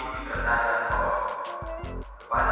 pada saat ini pak